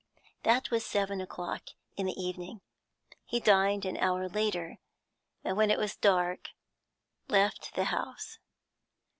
That was seven o'clock in the evening. He dined an hour later, and when it was dark left the house.